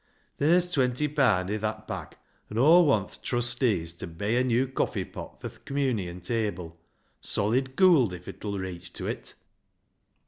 Ther's twenty paand i' that bag, an' Aw want th' trustees ta bey a new coffee pot fur th' Communion table — solid goold if it 'ull reich tew it